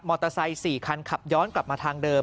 มอเตอร์ไซค์๔คันขับย้อนกลับมาทางเดิม